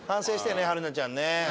春菜ちゃんね。